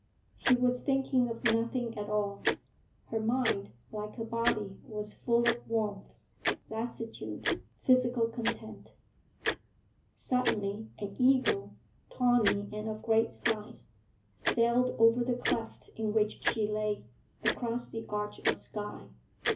She was thinking of nothing at all. Her mind, like her body, was full of warmth, lassitude, physical content. Suddenly an eagle, tawny and of great size, sailed over the cleft in which she lay, across the arch of sky.